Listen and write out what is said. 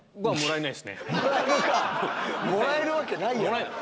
もらえるわけないやろ。